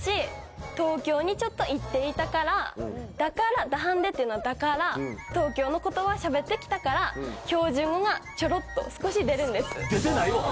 東京にちょっと行っていたからだから「だはんで」っていうのはだから東京の言葉しゃべってきたから標準語がちょろっと少し出るんです。